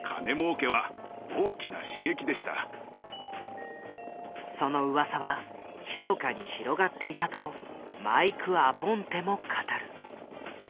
当時そのうわさはひそかに広がっていたとマイク・アポンテも語る。